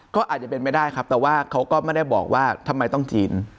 ก็อาจจะเป็นไปได้ครับแต่ว่าเขาก็ไม่ได้บอกว่าทำไมต้องจีน